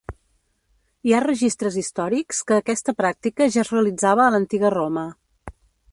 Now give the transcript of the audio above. Hi ha registres històrics que aquesta pràctica ja es realitzava a l'antiga Roma.